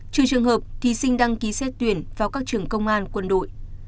trừ trường hợp thí sinh đăng ký xét tuyển vào các trường công an quân đội